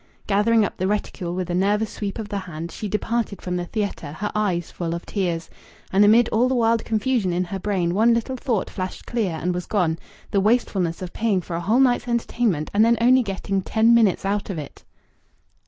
Gathering up the reticule with a nervous sweep of the hand, she departed from the theatre, her eyes full of tears. And amid all the wild confusion in her brain one little thought flashed clear and was gone: the wastefulness of paying for a whole night's entertainment and then only getting ten minutes of it!